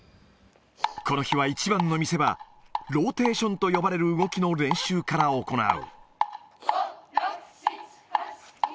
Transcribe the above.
この日は一番の見せ場、ローテーションと呼ばれる動きの練習から行う。